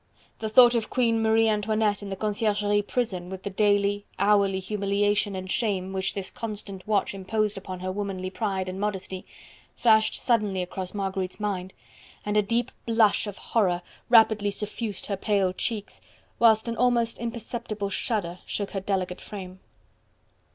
The thought of Queen Marie Antoinette in the Conciergerie prison with the daily, hourly humiliation and shame which this constant watch imposed upon her womanly pride and modesty, flashed suddenly across Marguerite's mind, and a deep blush of horror rapidly suffused her pale cheeks, whilst an almost imperceptible shudder shook her delicate frame.